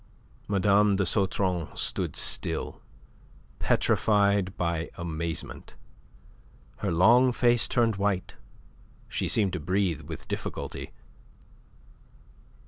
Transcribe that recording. Mme. de Sautron stood still, petrified by amazement. Her long face turned white; she seemed to breathe with difficulty.